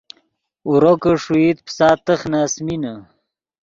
اورو کہ ݰوئیت پیسا تخ نے اَسۡمینے